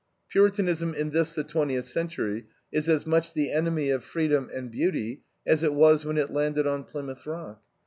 Puritanism in this the twentieth century is as much the enemy of freedom and beauty as it was when it landed on Plymouth Rock.